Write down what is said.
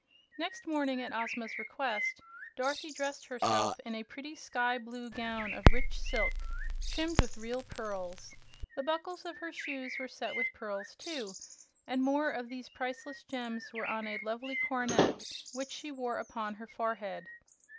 Next morning, at Ozma's request, Dorothy dressed herself in a pretty sky blue gown of rich silk, trimmed with real pearls. The buckles of her shoes were set with pearls, too, and more of these priceless gems were on a lovely coronet which she wore upon her forehead.